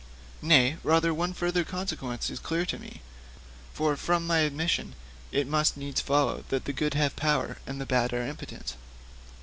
'Nay; rather, one further consequence is clear to me: for from my admissions it must needs follow that the good have power, and the bad are impotent.'